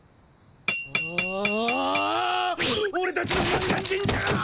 あオレたちの満願神社が。